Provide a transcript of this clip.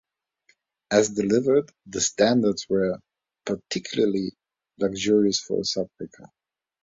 As delivered, the Standards were particularly luxurious for a subway car.